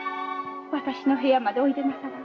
私の部屋までおいでなされませ。